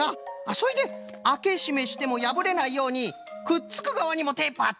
それであけしめしてもやぶれないようにくっつくがわにもテープはったんじゃね！